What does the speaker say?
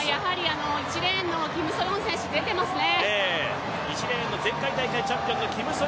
１レーンのキム・ソヨン選手、出ていますね。